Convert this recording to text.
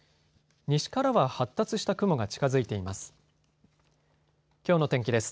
西からは発達した雲が近づいています。